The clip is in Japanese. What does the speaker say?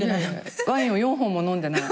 ワインを４本も飲んでない。